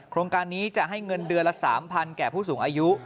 โครงการนี้จะให้เงินเดือนละ๓๐๐แก่ผู้สูงอายุ